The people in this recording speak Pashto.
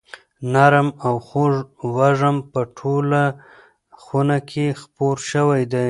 نرم او خوږ وږم په ټوله خونه کې خپور شوی دی.